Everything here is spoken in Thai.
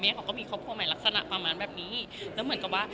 เขาก็มีครอบครัวใหม่ลักษณะประมาณแบบนี้แล้วเหมือนกับว่า